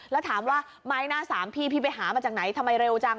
แล้วถามว่าไม้หน้าสามพี่พี่ไปหามาจากไหนทำไมเร็วจัง